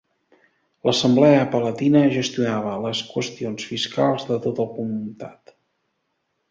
L'assemblea palatina gestionava les qüestions fiscals de tot el comtat.